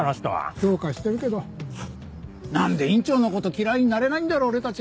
どうかしてるけどなんで院長の事嫌いになれないんだろ俺たち。